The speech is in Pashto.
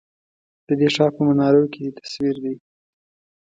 ددې ښار په منارو کی دی تصوير دی